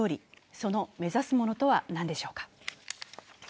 その目指すものとは何でしょうか。